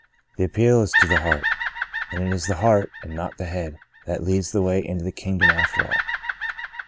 The appeal is to the heart ; and it is the heart, and not the head, that leads the way into the kingdom after all.